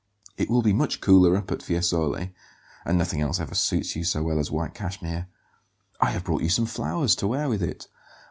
"It will be much cooler up at Fiesole; and nothing else ever suits you so well as white cashmere. I have brought you some flowers to wear with it."